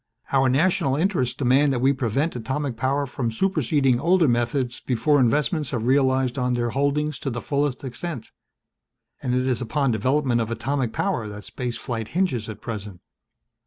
Our national interests demand that we prevent atomic power from superseding older methods before investments have realized on their holdings to the fullest extent. And it is upon development of atomic power that space flight hinges at present."